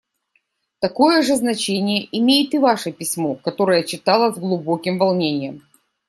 Такое же значение имеет и ваше письмо, которое я читала с глубоким волнением.